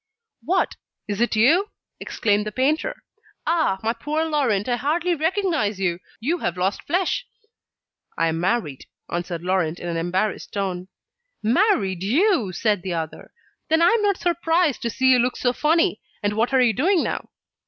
"What, is it you?" exclaimed the painter. "Ah! my poor Laurent, I hardly recognise you. You have lost flesh." "I am married," answered Laurent in an embarrassed tone. "Married, you!" said the other. "Then I am not surprised to see you look so funny: and what are you doing now?"